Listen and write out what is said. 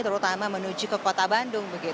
terutama menuju ke kota bandung